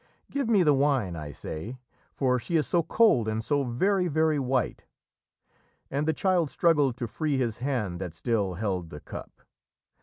Give me the wine, I say! for she is so cold and so very, very white" and the child struggled to free his hand that still held the cup.